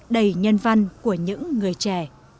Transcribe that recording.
đầy nhân văn của những người trẻ